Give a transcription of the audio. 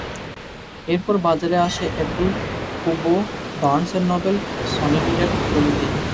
এরপর বাজারে আসে Apple, Kobo, Barnes and Noble, Sony Reader প্রভৃতি।